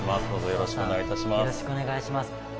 よろしくお願いします。